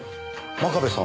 真壁さん